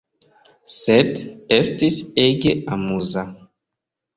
Sed estis ege amuza.